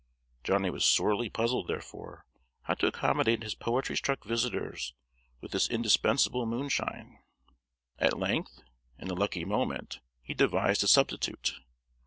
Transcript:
Johnny was sorely puzzled, therefore, how to accommodate his poetry struck visitors with this indispensable moonshine. At length, in a lucky moment, he devised a substitute.